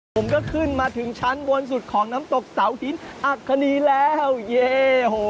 ผมก็ขึ้นมาถึงชั้นบนสุดของน้ำตกเสาหินอักษณีแล้วเย่โห